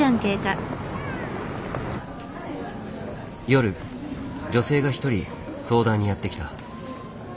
夜女性が１人相談にやって来た。